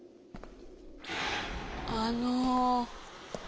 あの。